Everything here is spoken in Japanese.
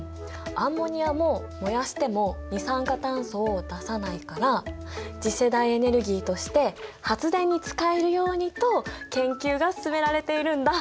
アンモニアも燃やしても二酸化炭素を出さないから次世代エネルギーとして発電に使えるようにと研究が進められているんだ。